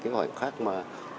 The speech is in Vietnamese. cái khoảnh khắc mà